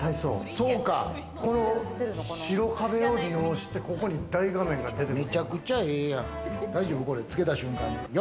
この白壁を利用して、ここに大画面が出てくる。